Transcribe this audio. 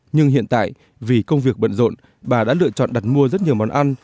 nhưng hiện tại vì công việc bận rộn bà đã lựa chọn đặt mua rất nhiều món ăn